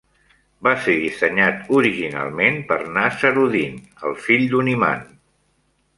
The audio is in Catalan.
Va ser dissenyat originalment per Nazaruddin, el fill d"un imam.